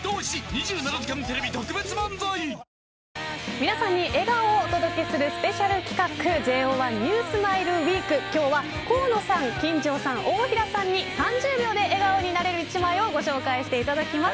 皆さんに笑顔をお届けするスペシャル企画ＪＯ１ＮＥＷＳｍｉｌｅＷｅｅｋ今日は河野さん、金城さん大平さんに３０秒で笑顔になれる１枚をご紹介してもらいます。